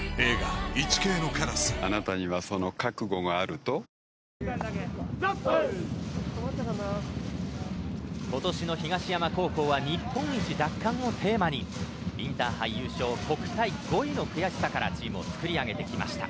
たまらず東山高校今年の東山高校は日本一奪還をテーマにインターハイ優勝国体５位の悔しさからチームをつくり上げてきました。